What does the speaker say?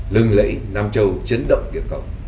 lưng lẫy nam châu chấn động địa cộng